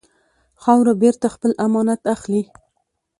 خاوره بېرته خپل امانت اخلي.